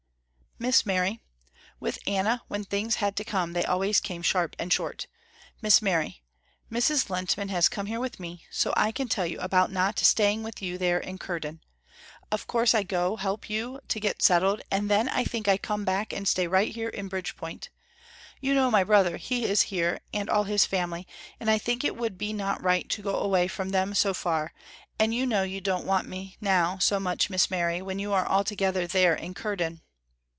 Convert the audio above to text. "Miss Mary" with Anna when things had to come they came always sharp and short "Miss Mary, Mrs. Lehntman has come here with me, so I can tell you about not staying with you there in Curden. Of course I go help you to get settled and then I think I come back and stay right here in Bridgepoint. You know my brother he is here and all his family, and I think it would be not right to go away from them so far, and you know you don't want me now so much Miss Mary when you are all together there in Curden."